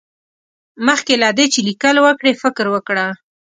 مخکې له دې چې ليکل وکړې، فکر وکړه.